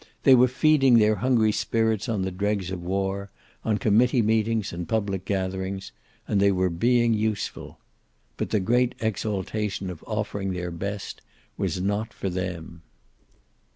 They were feeding their hungry spirits on the dregs of war, on committee meetings and public gatherings, and they were being useful. But the great exaltation of offering their best was not for them.